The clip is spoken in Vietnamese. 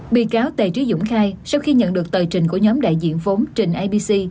bị cáo tề trí dũng khai sau khi nhận được tờ trình của nhóm đại diện vốn trình abc